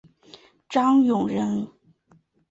张永人。